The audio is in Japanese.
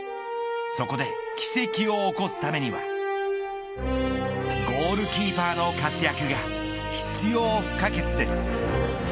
そこで奇跡を起こすためにはゴールキーパーの活躍が必要不可欠です。